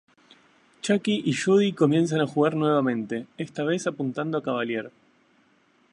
Chucky y Judy comienzan a jugar nuevamente, esta vez apuntando a Cavalier.